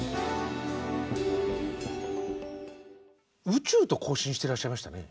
宇宙と交信してらっしゃいましたね。